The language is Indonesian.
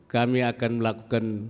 kami akan melakukan